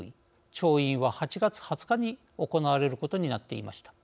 調印は、８月２０日に行われることになっていました。